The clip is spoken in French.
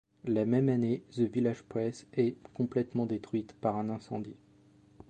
La même année, The Village Press est complètement détruite par un incendie.